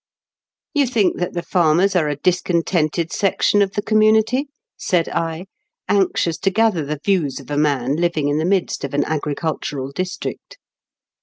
"You think that the farmers are a dis contented section of the community ?" said I, anxious to gather the views of a man living in the midst of an agricultural district.